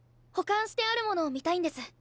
保管してあるものを見たいんです。